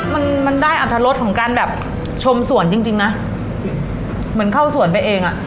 มันมันได้อัตรรสของการแบบชมสวนจริงจริงนะเหมือนเข้าสวนไปเองอ่ะ